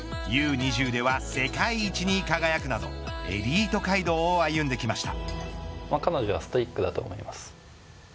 ２０では世界一に輝くなどエリート街道を歩んできました。